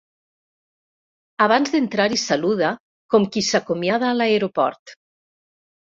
Abans d'entrar-hi saluda, com qui s'acomiada a l'aeroport.